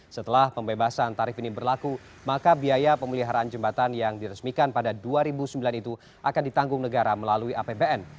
setelah pembebasan tarif ini berlaku maka biaya pemeliharaan jembatan yang diresmikan pada dua ribu sembilan itu akan ditanggung negara melalui apbn